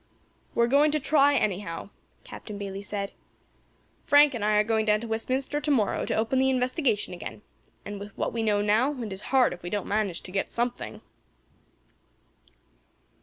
"We are going to try, anyhow," Captain Bayley said. "Frank and I are going down to Westminster to morrow to open the investigation again, and with what we know now it is hard if we don't manage to get something."